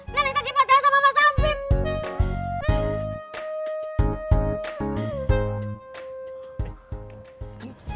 nenek lagi pacar sama mas afif